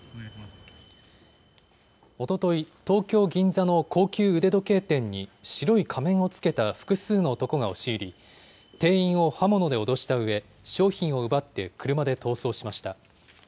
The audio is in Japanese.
おととい、東京・銀座の高級腕時計店に白い仮面をつけた複数の男が押し入り、店員を刃物で脅したうえ、商品を奪って車で逃走しました。